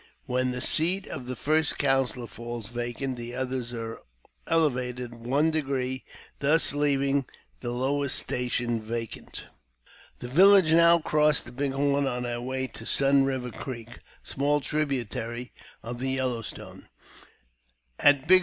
When the seat of the first counsellor falls vacant, the others are elevated one degree, thus leaving the lowest station vacant. The village now crossed the Big Horn on their way to Sun Biver Creek, a small tributary of the Yellow Stone. At Big I JAMES P.